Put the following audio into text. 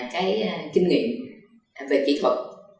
cái kinh nghiệm về kỹ thuật